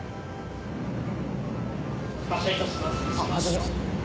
発車いたします。